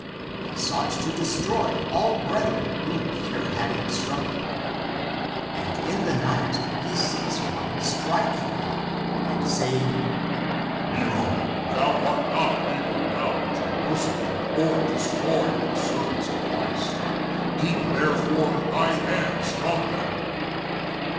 ^^^ He sought to destroy all brethren whom Peter had instructed.^^^ And in the night ^^^ he sees one ^^^ striking him, and say ing :" Nero,^^^ thou art not able now to persecute or destroy ^^^ the servants of Christ. Keep there fore thy hands from them."